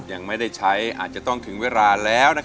ยังไม่ได้ใช้อาจจะต้องถึงเวลาแล้ว